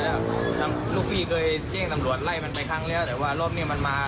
แล้วลูกพี่เคยแจ้งตำรวจไล่มันไปครั้งแล้วแต่ว่ารอบนี้มันมา